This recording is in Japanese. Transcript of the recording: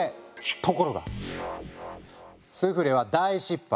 ところがスフレは大失敗。